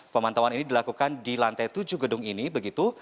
pemantauan ini dilakukan di lantai tujuh gedung ini begitu